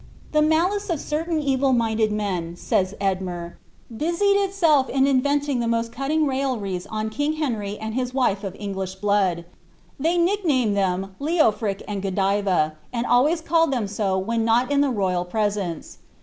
^ The malice of certain evil minded men," says E^mer, ^ busied itself in inventing the most cutting railleries on king Henry and his wife of English blood. They nicknamed them Leofric and Godiva, and always called them so when not in the royal presence.''